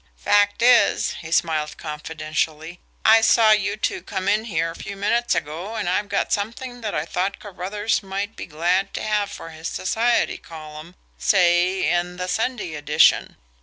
"Fact is," he smiled confidentially, "I saw you two come in here a few minutes ago, and I've got something that I thought Carruthers might be glad to have for his society column say, in the Sunday edition."